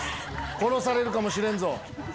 殺されるかもしれんぞ。